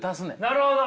なるほど！